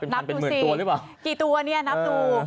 นับดูสิกี่ตัวเนี่ยนับดู